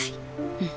うん。